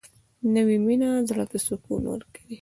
نوې مینه زړه ته سکون ورکوي